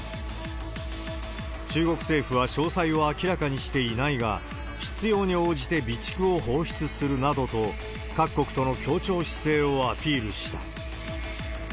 中国政府は詳細を明らかにしていないが、必要に応じて備蓄を放出するなどと、各国との協調姿勢をアピールした。